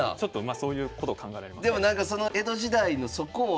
そういうことを考えられますね。